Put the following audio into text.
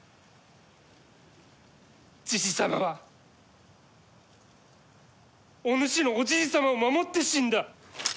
じじ様はお主のおじい様を守って死んだ。